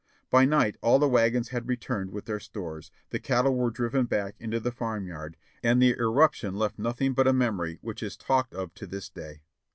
By night all the wagons had returned with their stores, the cattle were driven back into the farmyard, and the irruption left nothing but a memory which is talked of to this day.